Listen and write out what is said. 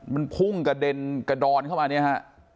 มันพุ่งกระเด็นกระดอนเข้ามาเนี่ยฮะ